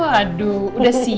waduh udah siap nih